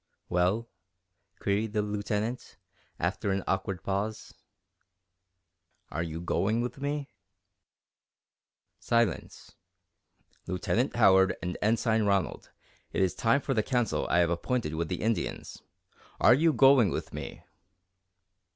"Well?" queried the Lieutenant, after an awkward pause. "Are you going with me?" Silence. "Lieutenant Howard and Ensign Ronald, it is time for the council I have appointed with the Indians. Are you going with me?"